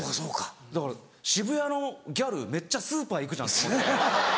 だから渋谷のギャルめっちゃスーパー行くじゃんと思って。